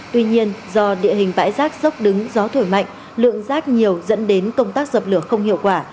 tuy nhiên do địa hình bãi rác dốc đứng gió thổi mạnh lượng rác nhiều dẫn đến công tác dập lửa không hiệu quả